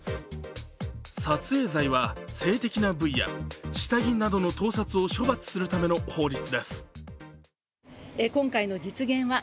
撮影罪は性的な部位や、下着などの盗撮を処罰するための法律です。